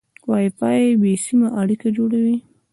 وای فای بې سیمه اړیکه جوړوي.